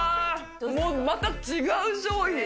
もう、また違う商品。